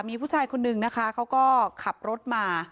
มีผู้ชายคนนึงนะคะเขาก็ขับรถมา